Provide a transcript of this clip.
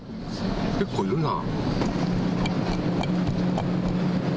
結構いるな。